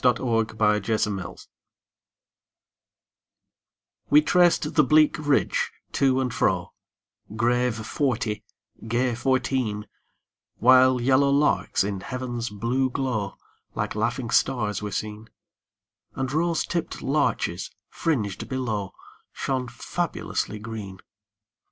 22 The Train of Life We traced the bleak ridge, to and fro, Grave forty, gay fourteen ; While yellow larks, in heaven's blue glow, Like laughing stars were seen, And rose tipp'd larches, fringed below, Shone fabulously green.